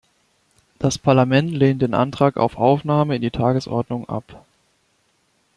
Das Parlament lehnt den Antrag auf Aufnahme in die Tagesordnung ab.